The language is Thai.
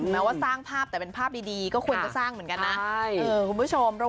แม้ว่าสร้างภาพแต่เป็นภาพดีก็ควรจะสร้างเหมือนกันนะคุณผู้ชม